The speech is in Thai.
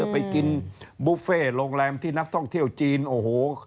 ไปกินบุฟเฟ่โรงแรมที่นักท่องเที่ยวจีนโอ้โห